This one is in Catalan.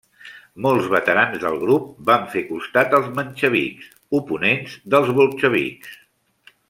Molts veterans del grup va fer costat als menxevics, oponents dels bolxevics.